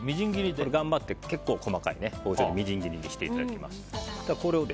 頑張って、結構細かいみじん切りにしていただきます。